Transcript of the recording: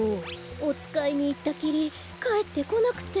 おつかいにいったきりかえってこなくて。